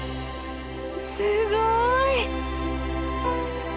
すごい！